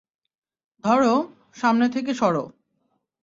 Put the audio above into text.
ধরো, সামনে থেকে সরো।